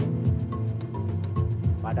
kok sepi amat sih